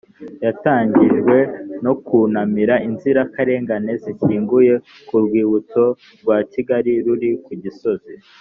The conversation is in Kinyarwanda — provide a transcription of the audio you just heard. yatangijwe no kunamira inzirakarengane zishyinguye ku rwibutso rwa kigali ruri ku gisozi